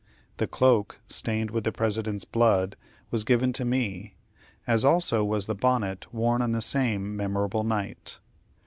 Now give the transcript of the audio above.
The cloak, stained with the President's blood, was given to me, as also was the bonnet worn on the same memorable night.